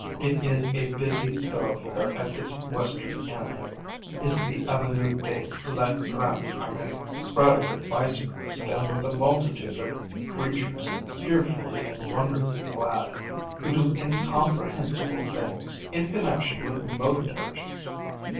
It is a busy thoroughfare at its western end, is the avenue de la Grande Armée, crowded with bicyclists and with a multitude of creatures fearfully and wonderfully clad, who do incomprehensible things in connection with motor carriages.